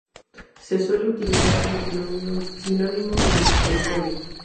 Se suele utilizar como sinónimo del triforio.